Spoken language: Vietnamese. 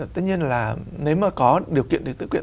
tất nhiên là nếu mà có điều kiện được tự quyện